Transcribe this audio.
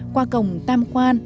qua cổng tam quan